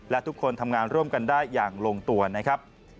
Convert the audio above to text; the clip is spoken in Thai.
และทุกคนทำงานร่วมกันได้อย่างลงตัวนะครับ